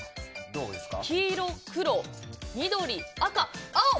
黄色、黒、緑、赤、青。